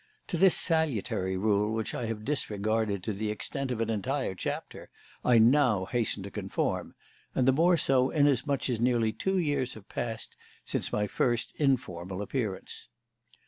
To this salutary rule, which I have disregarded to the extent of an entire chapter, I now hasten to conform; and the more so inasmuch as nearly two years have passed since my first informal appearance.